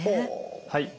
はい。